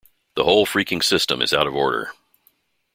The whole freaking system is out of order.